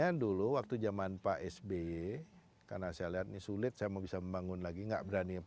yang dulu waktu zaman pak sby karena saya lihat ini sulit saya mau bisa membangun lagi nggak berani